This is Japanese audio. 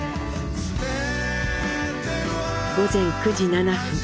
午前９時７分。